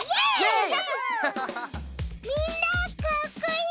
みんなかっこいい！